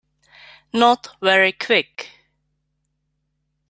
Not very Quick